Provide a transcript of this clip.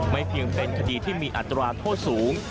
เพียงเป็นคดีที่มีอัตราโทษสูง